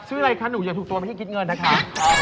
อะไรคะหนูอย่าถูกตัวไม่ใช่คิดเงินนะคะ